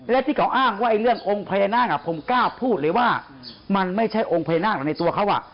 และที่เขาอ้างว่าเรื่ององค์พญานาคผมกล้าพูดเลยว่ามันไม่ใช่องค์พญานาคในตัวเขา